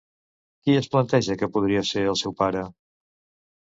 Qui es planteja que podria ser el seu pare?